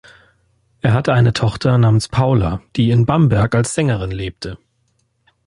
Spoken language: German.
Er hatte eine Tochter namens Paula, die in Bamberg als Sängerin lebte.